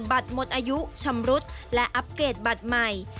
หมดอายุชำรุดและอัปเกตบัตรใหม่